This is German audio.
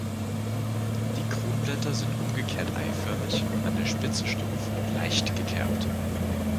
Die Kronblätter sind umgekehrt eiförmig, an der Spitze stumpf und leicht gekerbt.